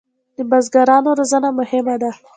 د بزګرانو روزنه مهمه ده